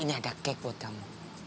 ini ada kek buat kamu